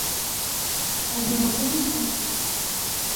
অন্য রকমই হয়তো।